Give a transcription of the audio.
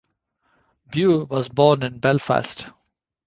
Bew was born in Belfast.